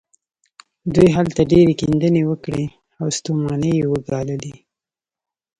دوی هلته ډېرې کيندنې وکړې او ستومانۍ يې وګاللې.